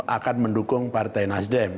akan mendukung partai nasdem